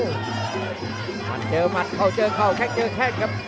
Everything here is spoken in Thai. มันเจอมันเข้าเจอเข้าแค่เกินแค่ครับ